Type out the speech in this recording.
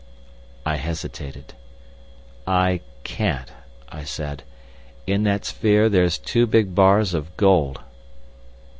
I hesitated. "I can't," I said. "In that sphere there's two big bars of gold."